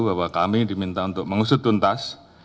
bahwa kami diminta untuk mengusut tuntas